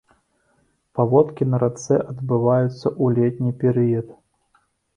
Паводкі на рацэ адбываюцца ў летні перыяд.